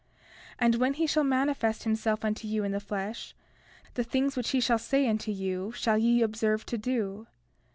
And when he shall manifest himself unto you in the flesh, the things which he shall say unto you shall ye observe to do.